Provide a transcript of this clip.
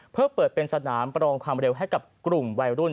เพื่อเปิดเป็นสนามประลองความเร็วให้กับกลุ่มวัยรุ่น